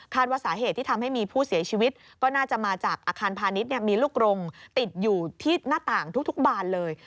ว่าสาเหตุที่ทำให้มีผู้เสียชีวิตก็น่าจะมาจากอาคารพาณิชย์มีลูกโรงติดอยู่ที่หน้าต่างทุกบานเลย